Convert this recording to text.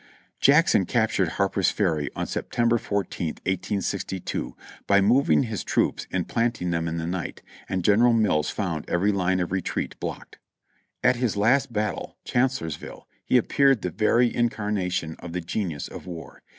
Jackson captured Harper's Ferry on Sept. 14th, 1862, by mov ing his troops and planting them in the night, and General Mills found every line of retreat blocked. At his last battle, Chancellorsville, he appeared the very in carnation of the genius of war.